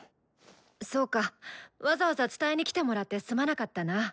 そうかわざわざ伝えに来てもらってすまなかったな。